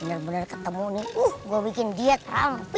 bener bener ketemu nih